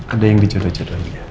ada yang dijodoh jodohin ya